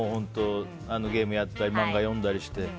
ゲームやったり漫画読んだりして。